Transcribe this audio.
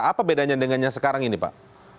apa bedanya dengannya sekarang ini pak